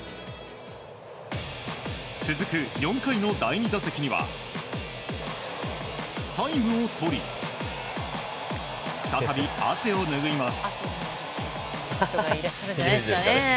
続く、４回の第２打席にはタイムをとり再び汗をぬぐいます。